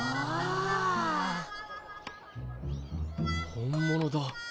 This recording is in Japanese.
本物だ。